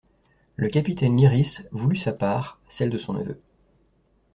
Le capitaine Lyrisse voulut sa part, celle de son neveu.